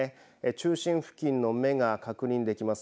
中心付近の目が確認できます。